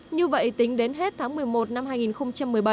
như vậy tính đến hết tháng một mươi một năm hai nghìn một mươi bảy